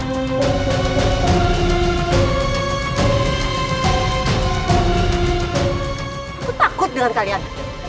aku takut dengan kalian